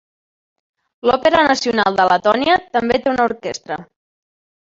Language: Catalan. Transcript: L'Òpera Nacional de Letònia també té una orquestra.